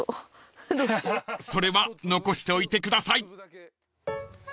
［それは残しておいてください］